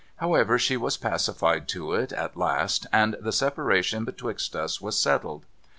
However, she was pacified to it at last, and the separation betwixt us was settled.